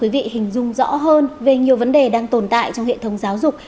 câu chuyện này sẽ giúp quý vị hình dung rõ hơn về nhiều vấn đề đang tồn tại trong hệ thống giáo dục